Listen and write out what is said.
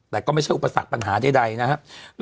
แต่ก็ไม่ใช่อุปสรรคปัญหาใดนะครับ